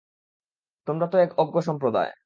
তোমরা তো এক অজ্ঞ সম্প্রদায়।